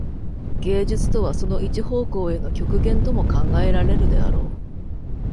芸術とはその一方向への極限とも考えられるであろう。